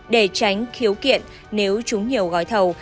để tránh khiếu kiện nếu trúng nhiều gói thầu